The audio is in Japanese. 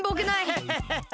ハハハハ！